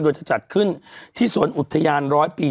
โดยจะจัดขึ้นที่สวนอุทยาน๑๐๐ปี